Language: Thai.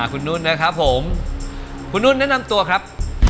คุณนุ่นนะครับผมคุณนุ่นแนะนำตัวครับ